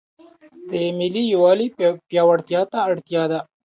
د ملي یووالي پیاوړتیا ته اړتیا ده.